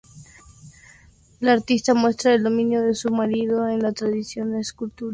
La artista muestra el dominio de su marido en la tradición escultórica.